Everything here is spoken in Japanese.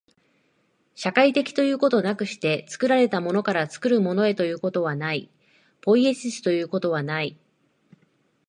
社会的ということなくして、作られたものから作るものへということはない、ポイエシスということはない。